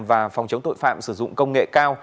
và phòng chống tội phạm sử dụng công nghệ cao